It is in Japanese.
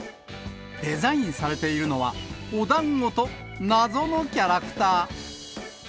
デザインされているのは、おだんごと、謎のキャラクター。